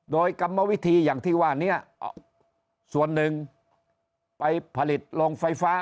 โดยกรรมวิธีอย่างที่ว่านี้ส่วนหนึ่งไปผลิตโรงไฟฟ้า